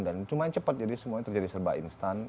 dan lumayan cepat jadi semuanya terjadi serba instan